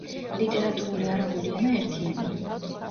ლიტერატურული არაბული ენა ერთიანია.